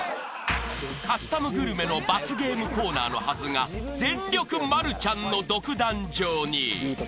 ［カスタムグルメの罰ゲームコーナーのはずが全力マルちゃんの独壇場に］